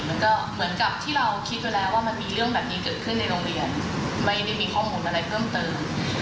เหมือนกับที่เราคิดไว้แล้วว่ามันมีเรื่องแบบนี้เกิดขึ้นในโรงเรียนไม่ได้มีข้อมูลอะไรเพิ่มเติม